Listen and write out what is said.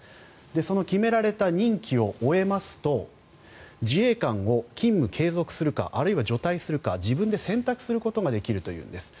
その決められた任期を終えますと自衛官を勤務継続するかあるいは除隊するか自分で選択することができるというんです。